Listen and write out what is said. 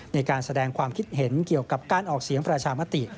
ในการแสดงความคิดเห็นเกี่ยวกับการออกเสียงประชามติ